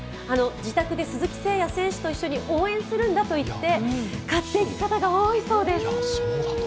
自宅で鈴木誠也選手と一緒に応援するんだといって買っていく方が多いそうです。